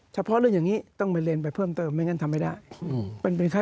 เฉพาะเรื่องอย่างนี้ต้องไปเรียนไปเพิ่มเติมไม่งั้นทำไม่ได้